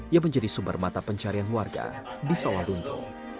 yang menjadi sumber mata pencarian warga di sawal lunto